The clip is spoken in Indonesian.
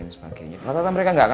saya tetap berdoa